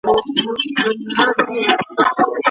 آیا ځایي خلک د وچو مېوو په ارزښت پوهیږي؟.